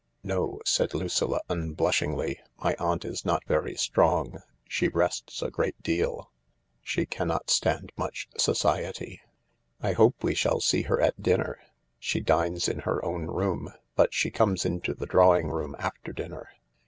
" No," said Lucilla unblushingly. " My aunt is not very strong. She rests a good deal. She cannot stand much society." THE LARK 245 " I hope we shall see her at dinner." "She dines in her own room, but she comes into the drawing room after dinner."